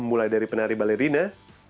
mulai dari penari balerina